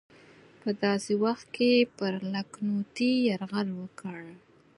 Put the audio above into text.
په داسې وخت کې پر لکهنوتي یرغل وکړ.